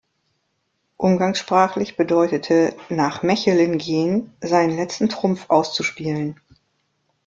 Umgangssprachlich bedeutete "nach Mechelen gehen" seinen letzten Trumpf auszuspielen.